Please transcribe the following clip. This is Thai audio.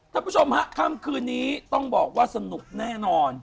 ท่านผู้ชมฮะค่ำคืนนี้ต้องบอกว่าสนุกแน่นอน